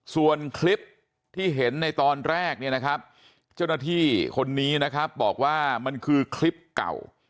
ส่วนคลิปที่เห็นในตอนแรกเนี่ยนะครับเจ้าหน้าที่คนนี้นะครับบอกว่ามันคือคลิปเก่า